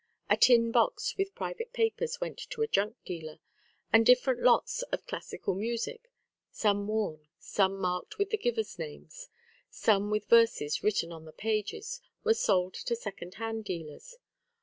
A tin box with private papers went to a junk dealer; and different lots of classical music, some worn, some marked with the givers' names, some with verses written on the pages, were sold to second hand dealers.